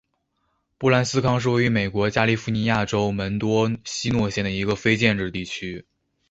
布兰斯康是位于美国加利福尼亚州门多西诺县的一个非建制地区。